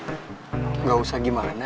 enggak usah gimana